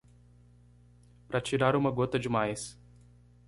Para tirar uma gota demais